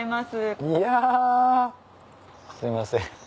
すいません。